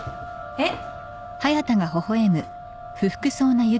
えっ！？